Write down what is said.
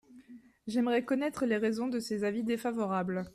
J’aimerais connaître les raisons de ces avis défavorables.